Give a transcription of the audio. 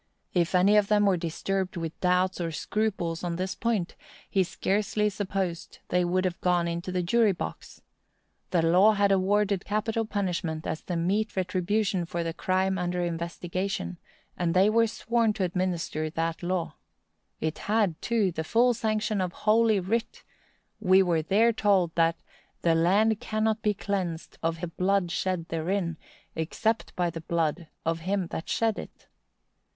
If any of them were disturbed with doubts or scruples on this point, he scarcely supposed they would have gone into the jury box. The law had awarded capital punishment as the meet retribution for the crime under investigation, and they were sworn to administer that law. It had, too, the full sanction of Holy Writ; we were there told that "the land cannot be cleansed of the blood shed therein, except by the blood of him that shed it."